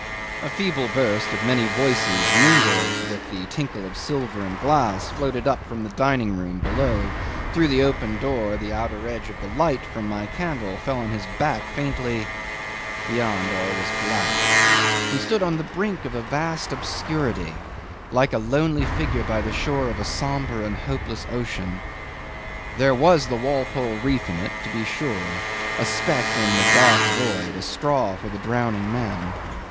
A feeble burst of many voices mingled with the tinkle of silver and glass floated up from the dining room below; through the open door the outer edge of the light from my candle fell on his back faintly; beyond all was black; he stood on the brink of a vast obscurity, like a lonely figure by the shore of a sombre and hopeless ocean. There was the Walpole Reef in it to be sure a speck in the dark void, a straw for the drowning man.